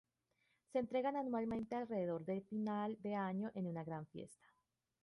Se entregan anualmente alrededor de final de año en una gran fiesta.